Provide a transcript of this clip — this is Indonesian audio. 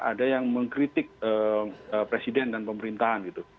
ada yang mengkritik presiden dan pemerintahan gitu